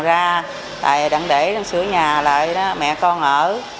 ngăn hàng ra để sửa nhà lại mẹ con ở